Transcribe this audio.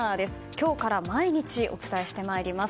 今日から毎日お伝えしてまいります。